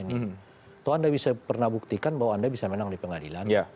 atau anda bisa pernah buktikan bahwa anda bisa menang di pengadilan